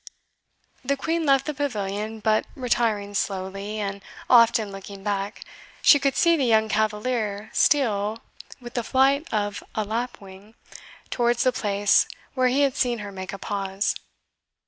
The Queen left the pavilion; but retiring slowly, and often looking back, she could see the young cavalier steal, with the flight of a lapwing, towards the place where he had seen her make a pause.